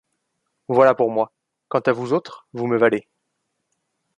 Voilà pour moi ; quant à vous autres, vous me valez.